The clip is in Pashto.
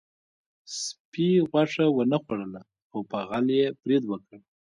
سپي غوښه ونه خوړله او په غل یې برید وکړ.